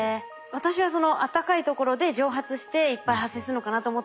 私はその暖かいところで蒸発していっぱい発生するのかなと思ったんですけど